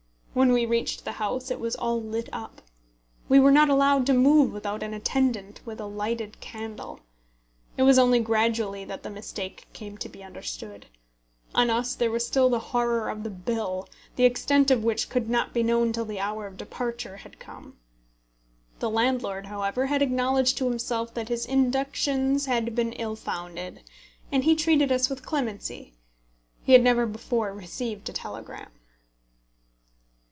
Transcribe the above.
When we reached the house it was all lit up. We were not allowed to move without an attendant with a lighted candle. It was only gradually that the mistake came to be understood. On us there was still the horror of the bill, the extent of which could not be known till the hour of departure had come. The landlord, however, had acknowledged to himself that his inductions had been ill founded, and he treated us with clemency. He had never before received a telegram.